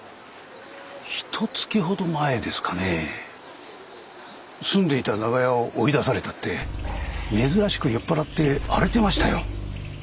ひとつきほど前ですかねぇ住んでいた長屋を追い出されたって珍しく酔っ払って荒れてましたよ。